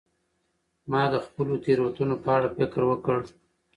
ما د خپلو تیروتنو په اړه فکر وکړ.